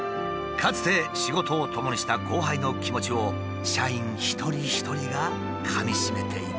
かつて仕事をともにした後輩の気持ちを社員一人一人がかみしめていた。